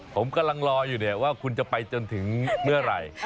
ผมกำลังรออยู่เนี่ยว่าคุณจะไปจนถึงเมื่อไหร่